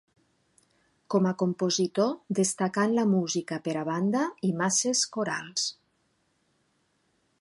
Com a compositor destacà en la música per a banda i masses corals.